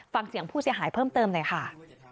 ฟังเสียงผู้เสียหายเพิ่มเติมหน่อยค่ะ